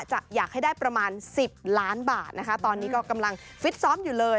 จะอยากให้ได้ประมาณสิบล้านบาทนะคะตอนนี้ก็กำลังฟิตซ้อมอยู่เลย